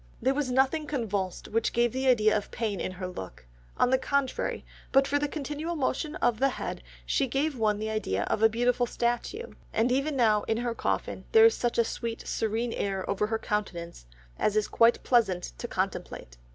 "... There was nothing convulsed which gave the idea of pain in her look; on the contrary, but for the continual motion of the head, she gave one the idea of a beautiful statue, and even now in her coffin, there is such a sweet serene air over her countenance as is quite pleasant to contemplate."